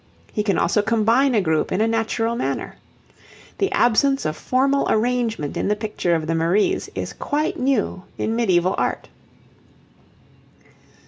He can also combine a group in a natural manner. The absence of formal arrangement in the picture of the Maries is quite new in medieval art.